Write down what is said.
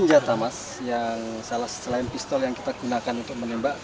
senjata mas yang selain pistol yang kita gunakan untuk menembak